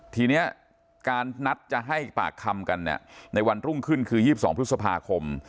ทีนี้การนัดจะให้ปากคำกันในวันรุ่งขึ้นคือ๒๒พฤษภาคม